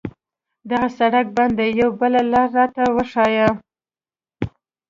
دغه سړک بند ده، یوه بله لار راته وښایه.